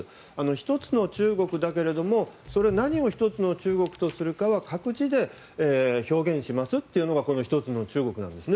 一つの中国だけれども何を一つの中国とするかは各自で表現しますというのが一つの中国なんですね